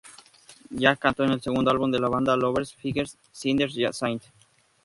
Jag cantó en el segundo álbum de la banda, "Lovers, Fighters, Sinners, Saints".